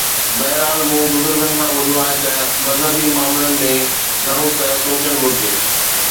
بهرحال مون بزرگن کان ٻڌو آهي ته مذهبي معاملن ۾ گهڻو نه سوچڻ گهرجي